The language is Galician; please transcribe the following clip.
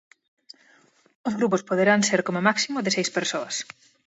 Os grupos poderán ser como máximo de seis persoas.